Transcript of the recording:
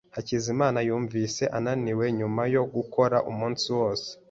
Hakizimana yumvise ananiwe nyuma yo gukora umunsi wose.